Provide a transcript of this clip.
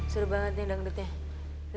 seru banget nih dangdutnya